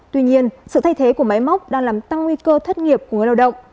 tuy nhiên sự thay thế của máy móc đang làm tăng nguy cơ thất nghiệp của người lao động